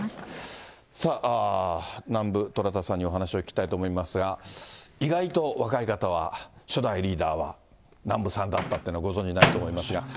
さあ、南部虎弾さんにお話をお聞きしたいと思いますが、意外と若い方は、初代リーダーは南部さんだったというのはご存じないと思いますが。